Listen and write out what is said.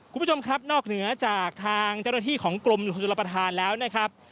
คุณผู้ชมครับนอกเหนือจากทางเจ้าหน้าที่ของกรมชนรับประทานแล้วนะครับ